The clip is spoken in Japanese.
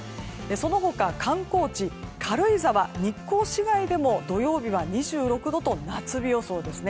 その他、観光地軽井沢、日光市街でも土曜日は２６度と夏日予想です。